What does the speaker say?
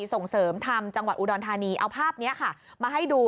ส่งเสริมธรรมจังหวัดอุดรธานีเอาภาพนี้ค่ะมาให้ดู